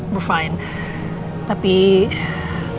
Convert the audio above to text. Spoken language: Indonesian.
tapi terus terang saya jadi semakin khawatir dan takut